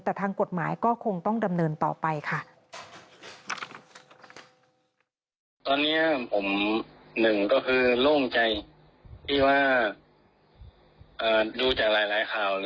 แต่ทางกฎหมายก็คงต้องดำเนินต่อไปค่ะ